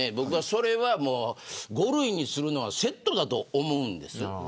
それは５類にするのはセットだと思うんです。